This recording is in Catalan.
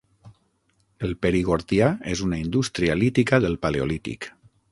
El perigordià és una indústria lítica del paleolític.